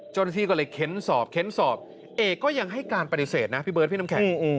เจ้าหน้าที่ก็เลยเค้นสอบเค้นสอบเอกก็ยังให้การปฏิเสธนะพี่เบิร์ดพี่น้ำแข็ง